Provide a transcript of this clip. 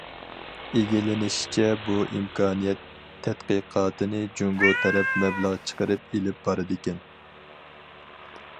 ئىگىلىنىشىچە، بۇ ئىمكانىيەت تەتقىقاتىنى جۇڭگو تەرەپ مەبلەغ چىقىرىپ ئېلىپ بارىدىكەن.